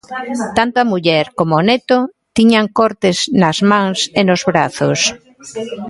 Tanto a muller como o neto tiñan cortes nas mans e nos brazos.